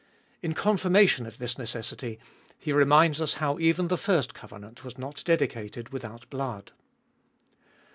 In confirmation of this necessity, he reminds us how even the first covenant was not dedicated without blood.